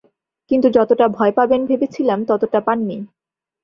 কিন্তু যতটা ভয় পাবেন ভেবেছিলাম, ততটা পাননি।